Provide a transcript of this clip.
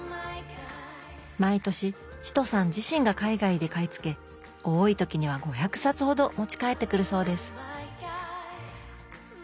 毎年チトさん自身が海外で買い付け多い時には５００冊ほど持ち帰ってくるそうです